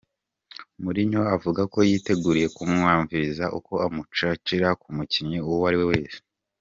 Mourinho avuga ko "yiteguriye kwumviriza ukwo bomucira" ku mukinyi uwariwe wese.